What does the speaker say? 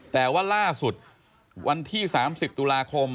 แต่ว่าล่าสุดวันที่๓๐ตุลาคม